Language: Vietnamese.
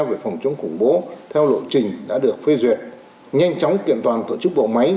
về phòng chống khủng bố theo lộ trình đã được phê duyệt nhanh chóng kiện toàn tổ chức bộ máy